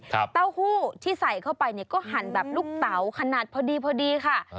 เต้าหู้ที่ใส่เข้าไปเนี่ยก็หั่นแบบลูกเตาขนาดพอดีพอดีค่ะ